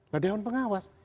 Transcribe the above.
nah dawan pengawas